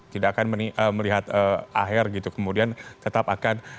tidak akan melihat aher gitu kemudian tetap akan